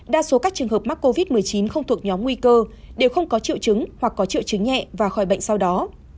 đa số các trường hợp mắc covid một mươi chín không thuộc nhóm nguy cơ đều không có triệu chứng hoặc có triệu chứng nhẹ và khỏi bệnh sau đó